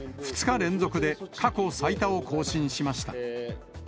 ２日連続で過去最多を更新しました。